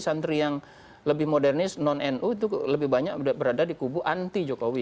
santri yang lebih modernis non nu itu lebih banyak berada di kubu anti jokowi